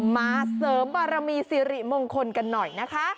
มาเสริมบารมีสิริมงคลกันหน่อยนะคะ